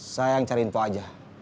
saya yang cari itu aja